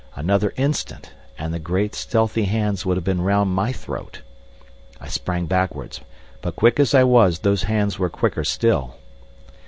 Another instant and the great stealthy hands would have been round my throat. I sprang backwards, but quick as I was, those hands were quicker still.